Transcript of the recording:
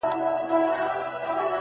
شراب لس خُمه راکړه؛ غم په سېلاب راکه؛